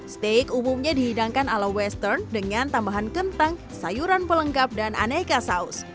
steak umumnya dihidangkan ala western dengan tambahan kentang sayuran pelengkap dan aneka saus